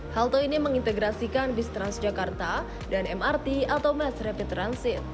halte ini mengintegrasikan bus transjakarta dan mrt atau mass rapid transit